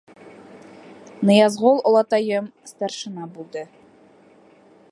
— Ныязғол олатайым старшина булды.